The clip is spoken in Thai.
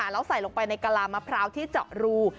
แล้วใส่ลงไปในกะลามะพร้าวที่เจาะรู